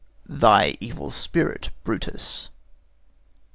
Thy evil spirit, Brutus.